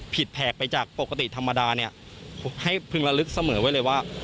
แผกไปจากปกติธรรมดาเนี่ยให้พึงระลึกเสมอไว้เลยว่า